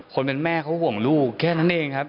คนเป็นแม่เขาห่วงลูกแค่นั้นเองครับ